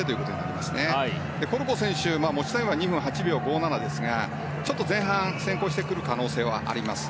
持ちタイムは２分８秒５７ですがちょっと前半、先行してくる可能性はあります。